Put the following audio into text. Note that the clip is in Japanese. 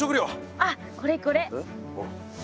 あっこれこれ。